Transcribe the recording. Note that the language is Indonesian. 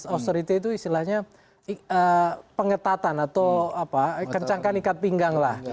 authority itu istilahnya pengetatan atau kencangkan ikat pinggang lah